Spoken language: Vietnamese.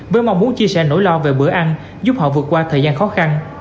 với mong muốn chia sẻ nỗi lo về bữa ăn giúp họ vượt qua thời gian khó khăn